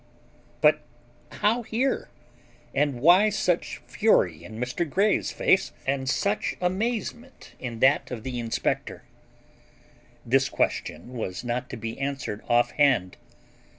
But how here? and why such fury in Mr. Grey's face and such amazement in that of the inspector? This question was not to be answered offhand.